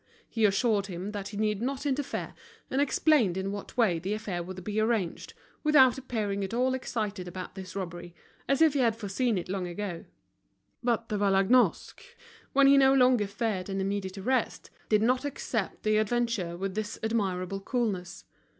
He assured him that he need not interfere, and explained in what way the affair would be arranged, without appearing at all excited about this robbery, as if he had foreseen it long ago. But De Vallagnosc, when he no longer feared an immediate arrest, did not accept the adventure with this admirable coolness.